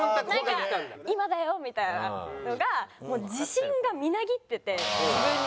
なんか「今だよ」みたいなのがもう自信がみなぎってて自分に。